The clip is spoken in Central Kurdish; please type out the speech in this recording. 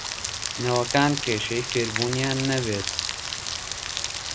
نەوەکان کێشەی فێربوونیان نەبێت